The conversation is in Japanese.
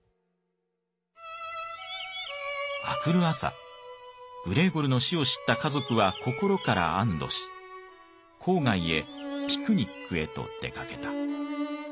明くる朝グレーゴルの死を知った家族は心から安堵し郊外へピクニックへと出かけた。